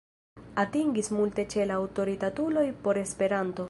Atingis multe ĉe aŭtoritatuloj por Esperanto.